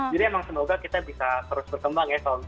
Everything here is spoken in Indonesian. jadi emang semoga kita bisa terus berkembang ya so on